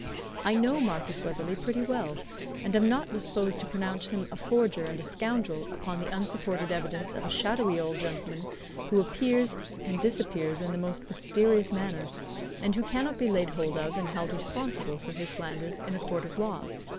I know Marcus Weatherley pretty well, and am not disposed to pronounce him a forger and a scoundrel upon the unsupported evidence of a shadowy old gentleman who appears and disappears in the most mysterious manner, and who cannot be laid hold of and held responsible for his slanders in a court of law.